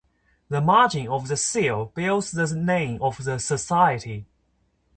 The margin of the seal bears the name of the society.